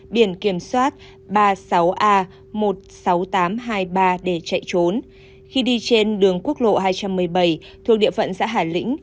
biển kiểm soát ba mươi sáu a một mươi sáu nghìn tám trăm hai mươi ba để chạy trốn khi đi trên đường quốc lộ hai trăm một mươi bảy thuộc địa phận xã hà lĩnh